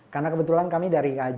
karena kebetulan kami dari kj